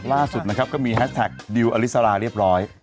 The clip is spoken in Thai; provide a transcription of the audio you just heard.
ล่าสุดนะครับก็มีแฮสแท็กดิวอลิสราเรียบร้อย